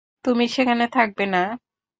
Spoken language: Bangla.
তুমি সেখানে থাকবে না।